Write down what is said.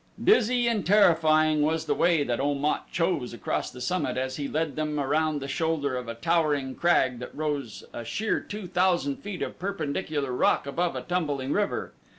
Dizzy and terrifying was the way that Om at chose across the summit as he led them around the shoulder of a towering crag that rose a sheer two thousand feet of perpendicular rock above a tumbling river.